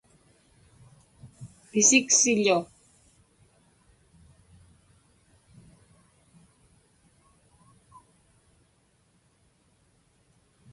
pisiksiḷu